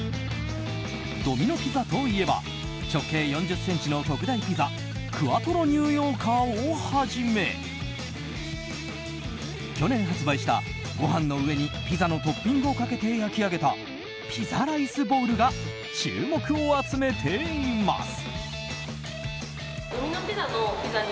ドミノ・ピザといえば直径４０ｃｍの特大ピザクワトロ・ニューヨーカーをはじめ去年発売した、ご飯の上にピザのトッピングをかけて焼き上げたピザライスボウルが注目を集めています。